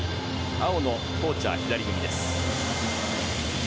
青のコーチャー、左組みです。